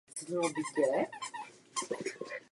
Zemřel ve vězení.